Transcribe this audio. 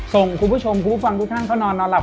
ส่งคุณผู้ชมคุณผู้ฟังทุกท่านเข้านอนนอนหลับ